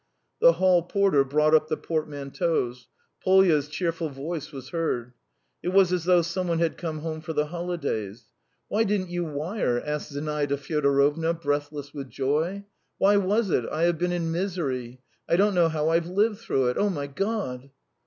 The hall porter brought up the portmanteaus; Polya's cheerful voice was heard. It was as though some one had come home for the holidays. "Why didn't you wire?" asked Zinaida Fyodorovna, breathless with joy. "Why was it? I have been in misery; I don't know how I've lived through it. ... Oh, my God!"